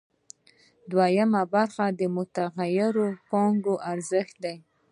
دویمه برخه د متغیرې پانګې ارزښت دی